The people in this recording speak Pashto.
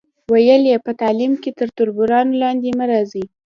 ویل یې، په تعلیم کې له تربورانو لاندې مه راځئ.